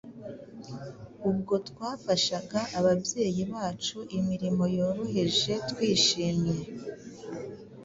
ahubwo twafashaga ababyeyi bacu imirimo yoroheje twishimye.